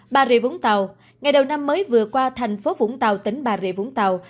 bà rịa vũng tàu ngày đầu năm mới vừa qua thành phố vũng tàu tỉnh bà rịa vũng tàu